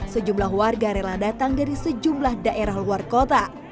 sejumlah warga rela datang dari sejumlah daerah luar kota